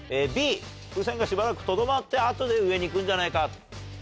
風船がしばらくとどまって後で上に行くんじゃないか。